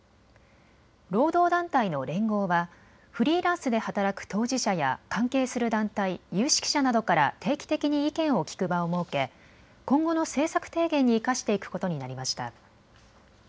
労働団体の連合はフリーランスで働く当事者や関係する団体、有識者などから定期的に意見を聞く場を設け今後の政策提言に生かしていくことになりました。